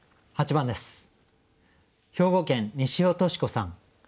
８番です。